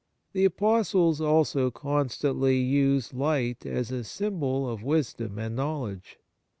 The Apostles also constantly use light as a symbol of wisdom and knowledge.